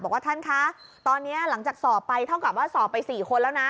บอกว่าท่านคะตอนนี้หลังจากสอบไปเท่ากับว่าสอบไป๔คนแล้วนะ